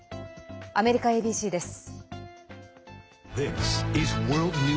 アメリカＡＢＣです。